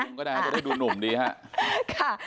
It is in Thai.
ก็ได้จะได้ดูหนุ่มดีครับ